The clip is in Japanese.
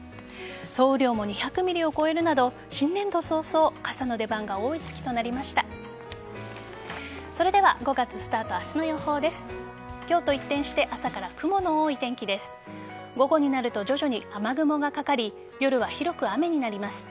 総雨量も２００ｍｍを超えるなど新年度早々傘の出番が多い月となりました。